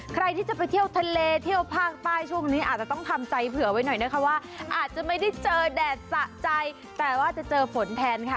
ใครที่จะไปเที่ยวทะเลเที่ยวภาคใต้ช่วงนี้อาจจะต้องทำใจเผื่อไว้หน่อยนะคะว่าอาจจะไม่ได้เจอแดดสะใจแต่ว่าจะเจอฝนแทนค่ะ